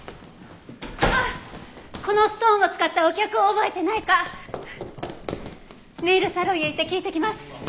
このストーンを使ったお客を覚えてないかネイルサロンへ行って聞いてきます。